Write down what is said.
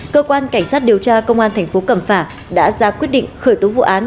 cơ quan cảnh sát điều tra công an thành phố cẩm phả đã ra quyết định khởi tố vụ án